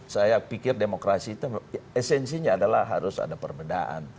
saya pikir demokrasi itu esensinya adalah harus ada perbedaan